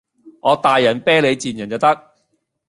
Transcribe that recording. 我大人睥你賤人就得